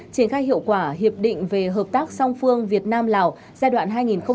triển khai hiệu quả hiệp định về hợp tác song phương việt nam lào giai đoạn hai nghìn hai mươi một hai nghìn hai mươi năm